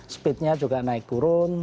speednya juga naik turun